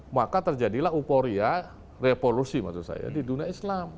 maka terjadilah euforia revolusi maksud saya di dunia islam